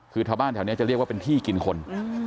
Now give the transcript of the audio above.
คือชาวบ้านแถวนี้จะเรียกว่าเป็นที่กินคน